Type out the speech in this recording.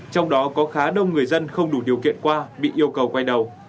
trong đó có khá đông người dân không đủ điều kiện qua bị yêu cầu quay đầu